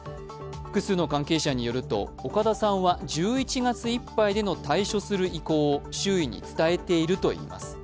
複数の関係者によると岡田さんは１１月いっぱいで退所する意向を周囲に伝えているといいます。